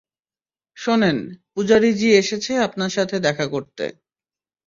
শোনেন, পূজারি জি এসেছে আপনার সাথে দেখা করতে।